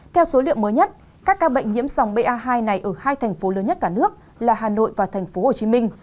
theo số liệu mới nhất các ca bệnh nhiễm sòng ba hai này ở hai thành phố lớn nhất cả nước là hà nội và thành phố hồ chí minh